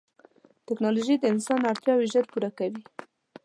ټکنالوجي د انسان اړتیاوې ژر پوره کوي.